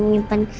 aku gak mau